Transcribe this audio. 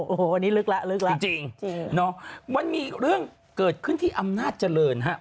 โอ้โหอันนี้ลึกแล้วลึกแล้วจริงเนาะมันมีเรื่องเกิดขึ้นที่อำนาจเจริญฮะ